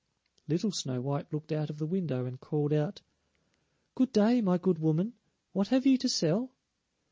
Little Snow white looked out of the window and called out: "Good day, my good woman, what have you to sell?"